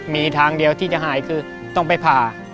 มีทางเดียวที่จะหายคือต้องไปผ่า